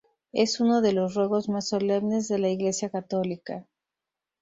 Es uno de los ruegos más solemnes de la Iglesia católica.